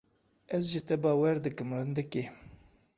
Ez ji te bawer dikim rindikê.